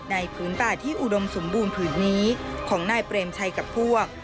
ผืนป่าที่อุดมสมบูรณ์ผืนนี้ของนายเปรมชัยกับพวก